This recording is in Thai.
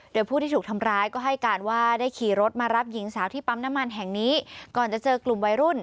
โดยผู้ที่ถูกทำร้ายก็ให้การว่าได้ขี่รถมารับหญิงสาวที่ปั๊มน้ำมันแห่งนี้ก่อนจะเจอกลุ่มวัยรุ่น